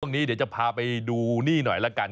เดี๋ยวจะพาไปดูนี่หน่อยละกัน